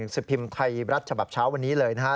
สิบพิมพ์ไทยรัฐฉบับเช้าวันนี้เลยนะฮะ